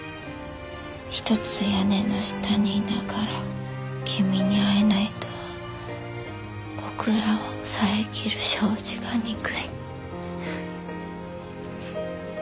一つ屋根の下にいながら君に会えないとは僕らを遮る障子が憎い」。